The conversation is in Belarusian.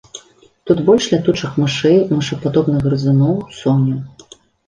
Тут больш лятучых мышэй, мышападобных грызуноў, соняў.